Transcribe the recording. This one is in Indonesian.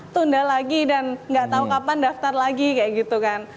tunda lagi dan nggak tahu kapan daftar lagi kayak gitu kan